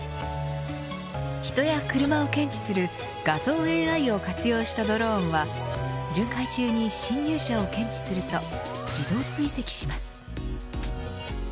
人や車を検知する画像ＡＩを活用したドローンは巡回中に侵入者を検知すると自動追跡します。